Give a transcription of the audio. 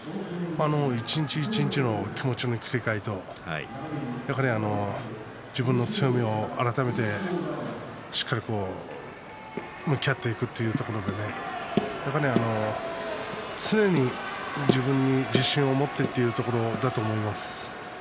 一日一日の気持ちの切り替えとやはり自分の強みを改めてしっかり向き合っていくというところでやはり常に自分に自信を持ってというところだと思います。